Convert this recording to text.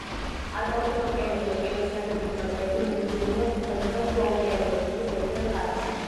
ატლანტის ოკეანეში ოკეანის საგების ვაკეები მერიდიანულად ვრცელდება შუაოკეანური ქედის ორივე მხარეს.